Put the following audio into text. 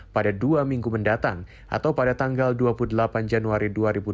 pada dua minggu mendatang atau pada tanggal dua puluh delapan januari dua ribu dua puluh